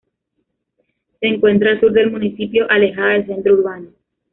Se encuentra al sur del municipio, alejada del centro urbano.